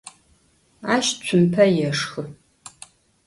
Aş tsumpe yêşşxı.